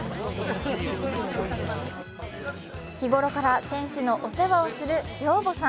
日頃から選手のお世話をする寮母さん。